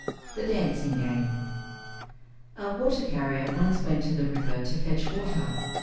"THE DANCING GANG" A water carrier once went to the river to fetch water.